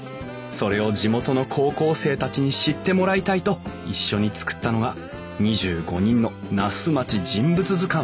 それを地元の高校生たちに知ってもらいたいと一緒に作ったのが２５人の「那須まち人物図鑑」。